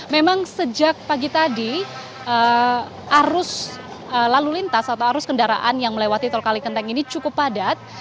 memang sejak pagi tadi arus lalu lintas atau arus kendaraan yang melewati tol kalikenteng ini cukup padat